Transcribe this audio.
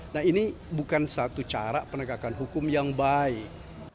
nah ini bukan satu cara penegakan hukum yang baik